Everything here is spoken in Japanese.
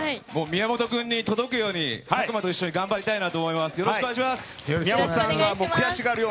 宮本君に届くようにＴＡＫＵＭＡと一緒に頑張りたいと思います！